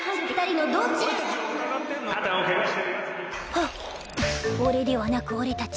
はっ「俺」ではなく「俺たち」